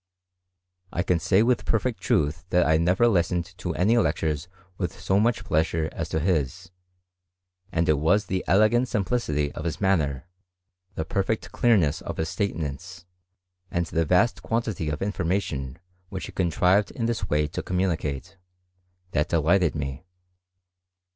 I can *y with perfect truth that I never listened to any lectures with so much pleasure as to his : and it was tie elegant simplicity of his manner, the perfect clear ness of his statements, and the vast quantity of infor mation which he contrived in this way to communicate, that delighted me.